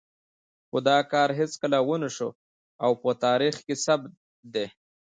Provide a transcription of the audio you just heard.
خو دا کار هېڅکله ونه شو او په تاریخ کې ثبت دی.